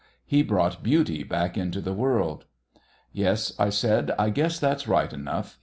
He brought Beauty back into the world!" "Yes," I said, "I guess that's right enough.